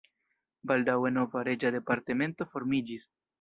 Baldaŭe nova reĝa departemento formiĝis.